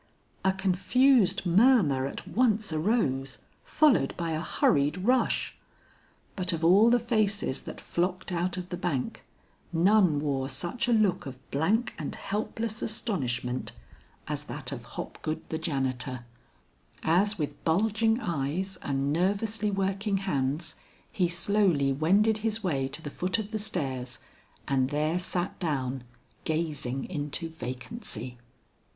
A confused murmur at once arose, followed by a hurried rush; but of all the faces that flocked out of the bank, none wore such a look of blank and helpless astonishment as that of Hopgood the janitor, as with bulging eyes and nervously working hands, he slowly wended his way to the foot of the stairs and there sat down gazing into vacancy.